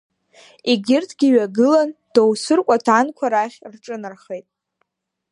Егьырҭгьы ҩагылан, доусы ркәаҭанқәа рахь рҿынархеит.